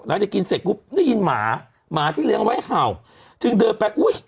หลังจากกินเสร็จปุ๊บได้ยินหมาหมาที่เลี้ยงไว้เห่าจึงเดินไปอุ้ย